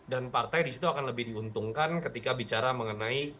dan partai disitu akan lebih diuntungkan ketika bicara mengenai